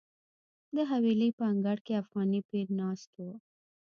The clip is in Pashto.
د حویلۍ په انګړ کې افغاني پیر ناست و.